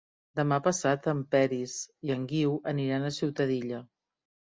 Demà passat en Peris i en Guiu aniran a Ciutadilla.